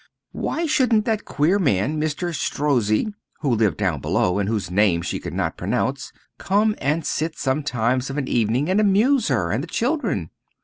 Why shouldn't that queer man, Mr. Strozzi, who lived down below, and whose name she could not pronounce, come and sit sometimes of an evening, and amuse her and the children?